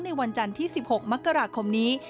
ในวันจันที่๑๖มกราคมนี้